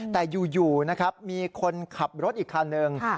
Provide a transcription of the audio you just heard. แต่อยู่นะครับมีคนขับรถอีกคันหนึ่ง